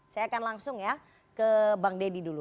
saya akan langsung ya ke bang deddy dulu